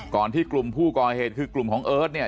ที่กลุ่มผู้ก่อเหตุคือกลุ่มของเอิร์ทเนี่ย